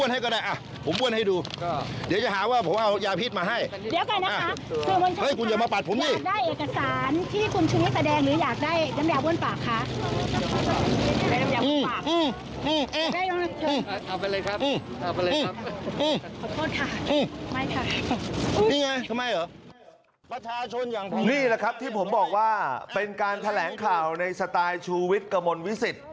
นี่แหละครับที่ผมบอกว่าเป็นการแถลงข่าวในสไตล์ชูวิทย์กระมวลวิสิต